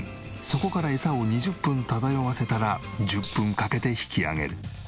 そこからエサを２０分漂わせたら１０分かけて引き上げる。